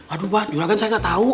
aduh jorokan saya gak tau